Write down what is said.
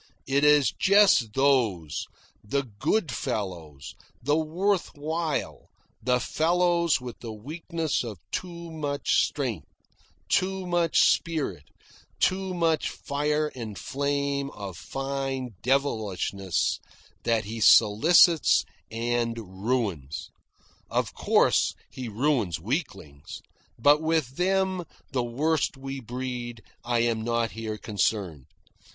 It is just those, the good fellows, the worth while, the fellows with the weakness of too much strength, too much spirit, too much fire and flame of fine devilishness, that he solicits and ruins. Of course, he ruins weaklings; but with them, the worst we breed, I am not here concerned.